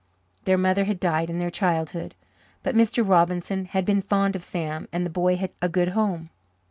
Their mother had died in their childhood, but Mr. Robinson had been fond of Sam and the boy had a good home.